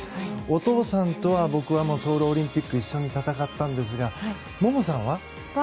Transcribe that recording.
お父さんとは、僕はソウルオリンピックを一緒に戦ったんですが萌々さんは？